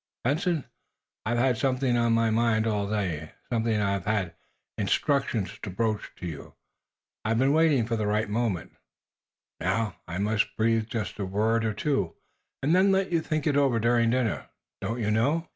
"Benson, I've had something on my mind all day; something I have had instructions to broach to you. I have been waiting for the right moment. Now, I must breathe just a word or two, and then let you think it over during dinner, don't you know?"